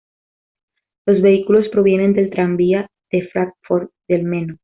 Los vehículos provienen del tranvía de Fráncfort del Meno.